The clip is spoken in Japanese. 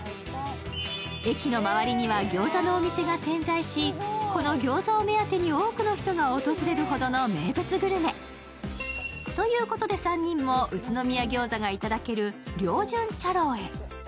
駅の周りには、ギョーザのお店が点在しこのギョーザを目当てに多くの人が訪れるほどの名物グルメ。ということで３人も宇都宮餃子がいただける遼順茶楼へ。